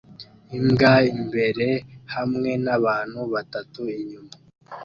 Imbwa imbere hamwe nabantu batatu inyuma